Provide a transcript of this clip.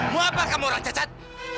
mau apa kamu orang cacat